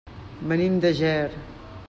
Venim de Ger.